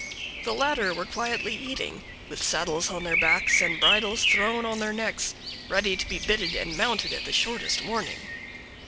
The latter were quietly eating, with saddles on their backs and bridles thrown on their necks, ready to be bitted and mounted at the shortest warning.